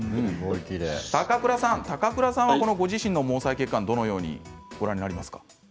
高倉さんはご自身の毛細血管をどのようにご覧になりますか？